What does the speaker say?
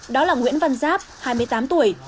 đó là nguyễn văn giáp hai mươi tám tuổi